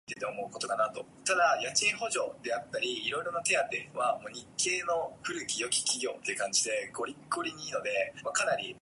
The fire had, however, already alerted Mafeking's garrison, which responded rapidly to the crisis.